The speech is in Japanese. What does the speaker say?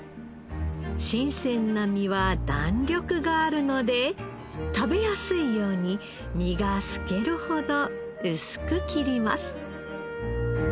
新鮮な身は弾力があるので食べやすいように身が透けるほど薄く切ります